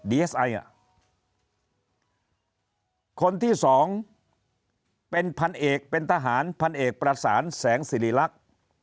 คนที่สองเป็นพันเอกเป็นทหารพันเอกประสานแสงสิริรักษ์